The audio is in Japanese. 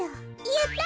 やった！